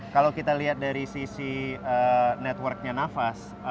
kalau kita lihat dari sisi network nya nafas